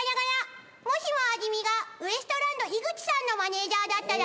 もしもあじ美がウエストランド井口さんのマネジャーだったら。